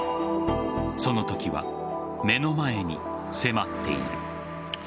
その時は目の前に迫っている。